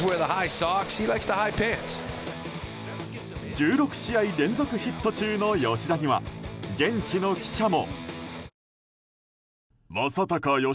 １６試合連続ヒット中の吉田には、現地の記者も。